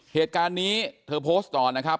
เหตุการณ์นี้เธอโพสต์ก่อนนะครับ